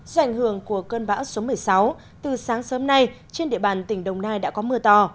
do ảnh hưởng của cơn bão số một mươi sáu từ sáng sớm nay trên địa bàn tỉnh đồng nai đã có mưa to